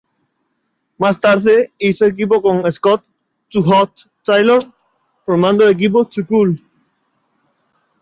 Más tarde hizo equipo con Scott "Too Hot" Taylor formando el equipo Too Cool.